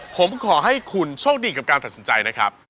ผมขอให้คุณโชคดีกับการตัดสินใจนะครับ